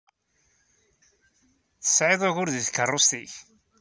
Tesɛiḍ ugur deg tkeṛṛust-ik?